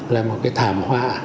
là một cái thảm họa